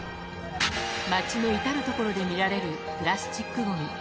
街の至る所で見られるプラスチックごみ。